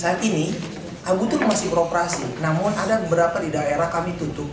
saat ini anggutur masih beroperasi namun ada beberapa di daerah kami tutup